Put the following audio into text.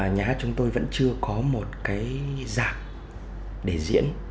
nhà hát chúng tôi vẫn chưa có một cái giạc để diễn